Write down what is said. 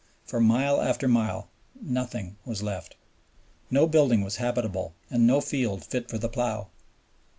For mile after mile nothing was left. No building was habitable and no field fit for the plow.